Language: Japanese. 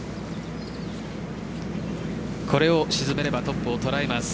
これを沈めればトップを捉えます。